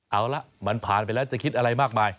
เอาละมันผ่านไปแล้วจะคิดอะไรมากมาย